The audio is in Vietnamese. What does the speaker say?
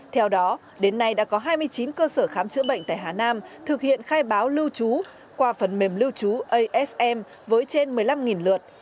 theo đó đến nay đã có hai mươi chín cơ sở khám chữa bệnh tại hà nam thực hiện khai báo lưu trú qua phần mềm lưu trú asm với trên một mươi năm lượt